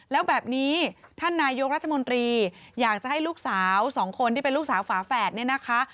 แล้วแบบนี้ท่านนายกรัฐมนตรีอยากจะให้ลูกสาวสองคนที่เป็นลูกสาวฝาแฝดเนี่ยนะคะ